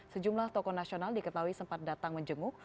sejumlah tokoh nasional diketahui sempat datang menjenguk